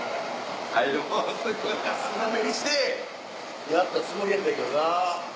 少なめにしてやったつもりやったんけどな。